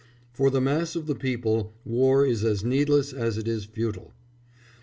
For the mass of the people war is as needless as it is futile.